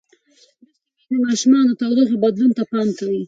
لوستې میندې د ماشومانو د تودوخې بدلون ته پام کوي.